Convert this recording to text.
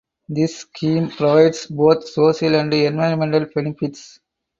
This scheme provides both social and environmental benefits.